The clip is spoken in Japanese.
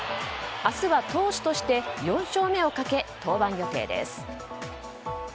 明日は投手として４勝目をかけ登板予定です。